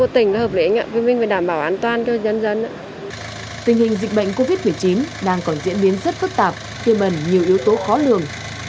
tình hình dịch bệnh covid một mươi chín đang còn diễn biến rất phức tạp tiêm ẩn nhiều yếu tố khó lường